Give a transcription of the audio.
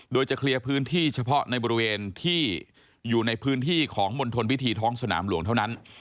โดยจะเคลียร์พื้นที่เฉพาะในบริเวณที่อยู่ในพื้นที่ของมณฑลพิธีท้องสนามหลวงเท่านั้น